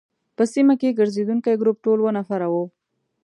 په سیمه کې ګرزېدونکي ګروپ ټول اووه نفره وو.